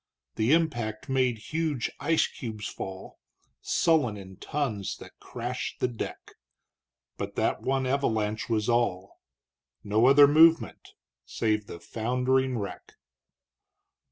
The impact made huge ice cubes fall Sullen in tons that crashed the deck; But that one avalanche was all No other movement save the foundering wreck.